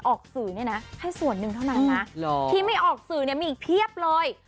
ออกสื่อให้ส่วนหนึ่งเท่านั้นนะที่ไม่ออกสื่อมีอีกเพียบเลย